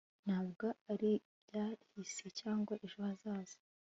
ntabwo ari ibyahise cyangwa ejo hazaza